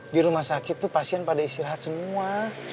di rumah sakit itu pasien pada istirahat semua